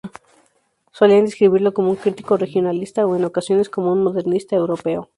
Solían describirlo como un crítico regionalista o en ocasiones como un modernista europeo.